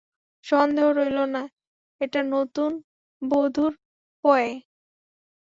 সন্দেহ রইল না, এটা নতুন বধূর পয়ে।